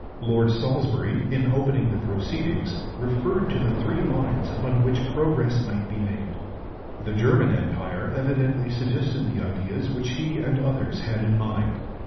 Lord Salisbury, in opening the proceedings, referred to the three lines upon which progress might be made. The German Empire evidently suggested the ideas which he and others had in mind.